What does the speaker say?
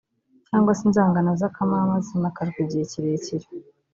cyangwa se inzangano z’akamama zimakajwe igihe kirekire